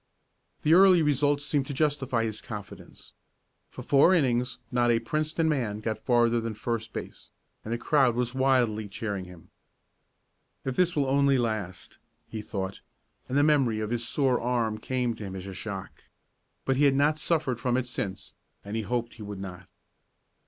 The early results seemed to justify his confidence. For four innings not a Princeton man got farther than first base, and the crowd was wildly cheering him. "If it will only last," he thought, and the memory of his sore arm came to him as a shock. But he had not suffered from it since, and he hoped he would not.